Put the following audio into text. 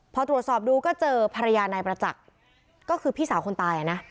พอตรวจสอบดูก็เจอภรรยานายประจักษ์ก็คือพี่สาวคนตายนะ